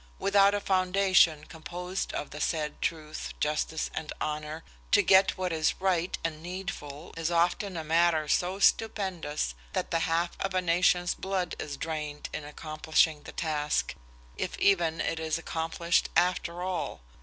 Without a foundation composed of the said truth, justice, and honor, to get what is right and needful is often a matter so stupendous that the half of a nation's blood is drained in accomplishing the task, if even it is accomplished after all.